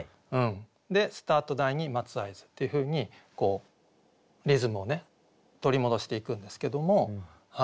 で「スタート台に待つ合図」っていうふうにリズムを取り戻していくんですけども。